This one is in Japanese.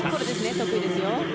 得意ですよ。